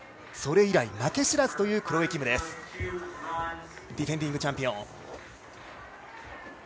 それ以来、負け知らずというクロエ・キム。ディフェンディングチャンピオン。